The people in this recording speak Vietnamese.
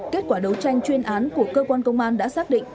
kết quả đấu tranh chuyên án của cơ quan công an đã xác định